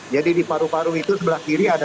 jadi di paru paru itu sebelah kiri ada saluran